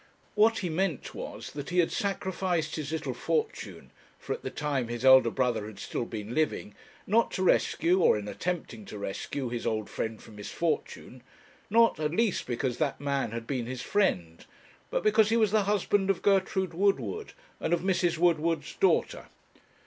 What he meant was that he had sacrificed his little fortune for at the time his elder brother had still been living not to rescue, or in attempting to rescue, his old friend from misfortune not, at least, because that man had been his friend; but because he was the husband of Gertrude Woodward, and of Mrs. Woodward's daughter.